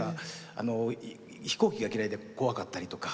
飛行機が嫌いで怖かったりとか。